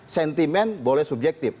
sentimen boleh subjektif